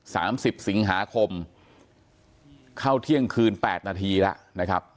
สิบสิงหาคมเข้าเที่ยงคืนแปดนาทีแล้วนะครับ